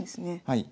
はい。